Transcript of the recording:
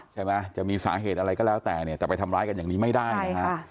ใช่ไหมจะมีสาเหตุอะไรก็แล้วแต่เนี่ยจะไปทำร้ายกันอย่างนี้ไม่ได้นะฮะ